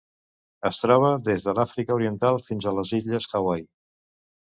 Es troba des de l'Àfrica Oriental fins a les Illes Hawaii.